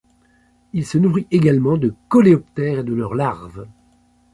Il se nourrit également de coléoptères et de leurs larves.